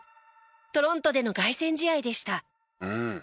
トロントでの凱旋試合でした。